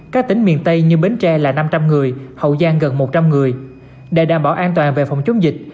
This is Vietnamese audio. các tỉnh miền tây như bến tre là năm trăm linh người hậu giang gần một trăm linh người để đảm bảo an toàn về phòng chống dịch